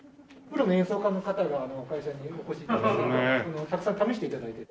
プロの演奏家の方が会社にお越し頂いてたくさん試して頂いて。